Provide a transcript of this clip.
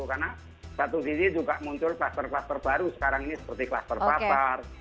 karena satu sisi juga muncul klaster klaster baru sekarang ini seperti klaster pasar